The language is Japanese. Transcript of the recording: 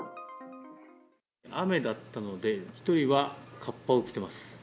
雨だったので、１人はかっぱを着てます。